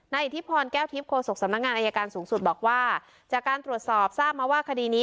อิทธิพรแก้วทิพย์โศกสำนักงานอายการสูงสุดบอกว่าจากการตรวจสอบทราบมาว่าคดีนี้